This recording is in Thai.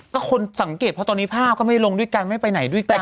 ก็สังเกตนะคะตอนนี้ภาพก็ไม่ไปกันก็ไม่ลงด้วยกัน